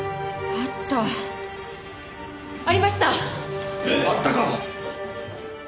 あったか！？